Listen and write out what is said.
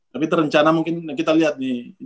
tapi terencana mungkin kita lihat nih